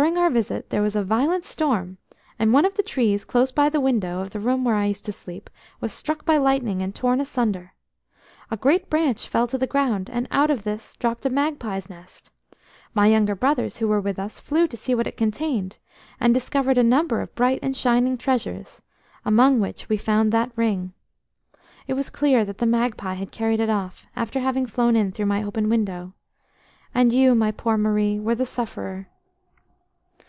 During our visit there was a violent storm, and one of the trees, close by the window of the room where I used to sleep, was struck by lightning and torn asunder. A great branch fell to the ground, and out of this dropped a magpie's nest. My younger brothers, who were with us, flew to see what it contained, and discovered a number of bright and shining treasures, among which we found that ring. It was clear that the magpie had carried it off, after having flown in through my open window. And you, my poor Marie, were the sufferer."